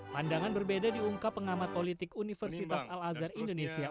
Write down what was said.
pandangan berbeda diungkap pengamat politik universitas al azhar indonesia